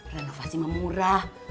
renovasi mah murah